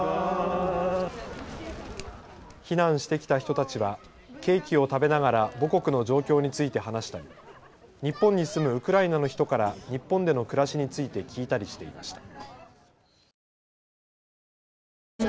避難してきた人たちはケーキを食べながら母国の状況について話したり日本に住むウクライナの人から日本での暮らしについて聞いたりしていました。